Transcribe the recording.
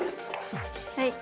はい。